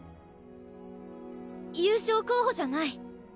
優勝候補じゃない。